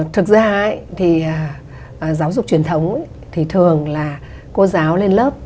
thực ra thì giáo dục truyền thống thì thường là cô giáo lên lớp